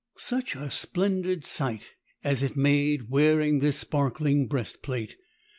Such a splendid sight as it made wearing this sparkling breastplate!